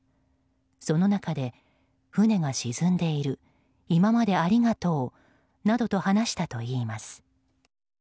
その中で、船が沈んでいる今までありがとうなどと話したといいます。